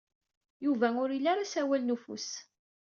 Yuba ur ili ara asawal n ufus.